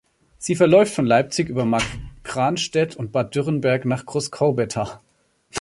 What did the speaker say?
Sie verläuft von Leipzig über Markranstädt und Bad Dürrenberg nach Großkorbetha.